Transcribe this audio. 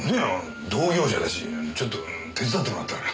同業者だしちょっと手伝ってもらったのよ。